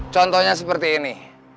contohnya seperti ini